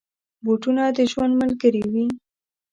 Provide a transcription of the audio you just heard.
بوټونه د ژوند ملګري وي.